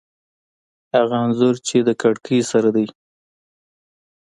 هغه انځور چې د کړکۍ سره دی